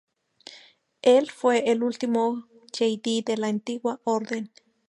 Él fue el último Jedi de la Antigua Orden.